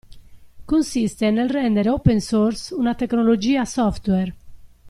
Consiste nel rendere open source una tecnologia software.